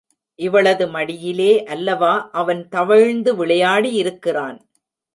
இவளது மடியிலே அல்லவா அவன் தவழ்ந்து விளையாடியிருக்கிறான்.